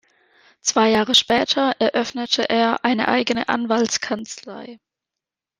Zwei Jahre später eröffnete er eine eigene Anwaltskanzlei.